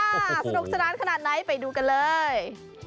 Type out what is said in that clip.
สนุกสนานขนาดไหนไปดูกันเลย